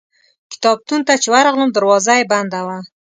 کتابتون ته چې ورغلم دروازه یې بنده وه.